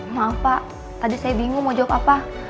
maaf pak tadi saya bingung mau jawab apa